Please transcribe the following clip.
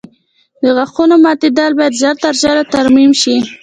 د غاښونو ماتېدل باید ژر تر ژره ترمیم شي.